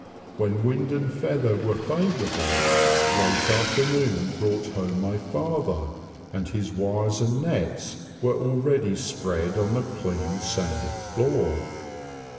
When wind and feather were a vourable, late after noon brought home my father, and his wires and nets were already spread on the clean sanded floor.